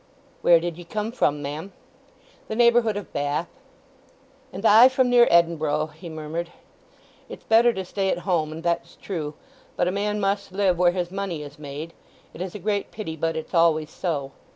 "Where did ye come from, ma'am?" "The neighbourhood of Bath." "And I from near Edinboro'," he murmured. "It's better to stay at home, and that's true; but a man must live where his money is made. It is a great pity, but it's always so!